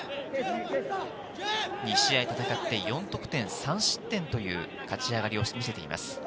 ２試合戦って、４得点３失点という勝ち上がりを見せています。